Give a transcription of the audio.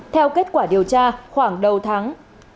theo kết quả điều tra khoảng đầu tháng